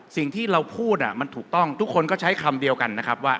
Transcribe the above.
สิ่งที่เราพูดมันถูกต้องทุกคนก็ใช้คำเดียวกันนะครับว่า